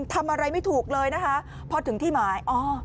ทำอะไรไม่ถูกเลยนะคะพอถึงที่หมาย